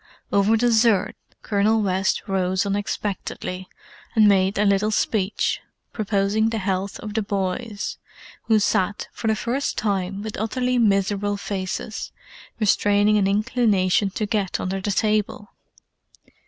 Over dessert, Colonel West rose unexpectedly, and made a little speech, proposing the health of the boys, who sat, for the first time, with utterly miserable faces, restraining an inclination to get under the table.